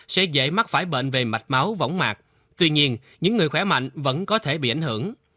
sẽ dễ mắc phải bệnh về mạch máu vỏng mạc tuy nhiên những người khỏe mạnh vẫn có thể bị ảnh hưởng